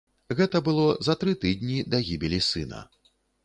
Гэта было за тры тыдні да гібелі сына.